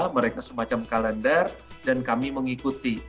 mereka semacam kalender dan kami mengikuti